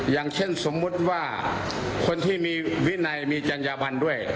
อย่างเช่นสมมุติว่าคนที่มีวินัยมีจัญญาบันด้วย